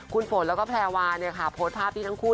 คุณฝนแล้วก็แพรวาเนี่ยค่ะโพสต์ภาพที่ทั้งคู่